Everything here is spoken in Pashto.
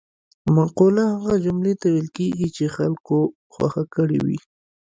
مقوله هغه جملې ته ویل کیږي چې خلکو خوښه کړې وي